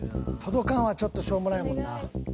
届かんはちょっとしょうもないもんな。